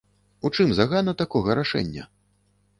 У чым загана такога рашэння?